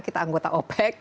kita anggota opec